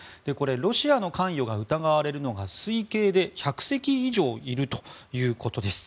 ロシアの関与が疑われるのが推計で１００隻以上いるということです。